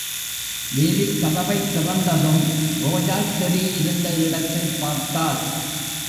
வேலிக் கதவைத் திறந்ததும், ரோஜாச் செடி இருந்த இடத்தைப் பார்த்தாள்.